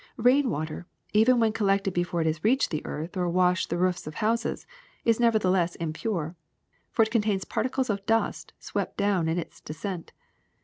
Eain water, even when collected before it has reached the earth or washed the roofs of houses, is neverthe less impure; for it contains particles of dust swept do^vn in its descent.